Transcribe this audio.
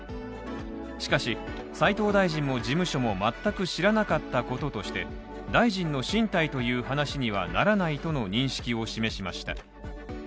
しかし、斉藤大臣も事務所も全く知らなかったこととして、大臣の進退という話にはならないとの認識を示しました。